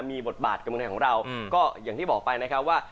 มีบทบาทกับเมืองไทยของเราก็อย่างที่บอกไปนะครับว่า